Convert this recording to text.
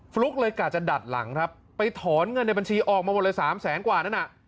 ลุ๊กเลยกะจะดัดหลังครับไปถอนเงินในบัญชีออกมาหมดเลยสามแสนกว่านั้นน่ะ